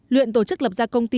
luyện tổ chức lập ra công ty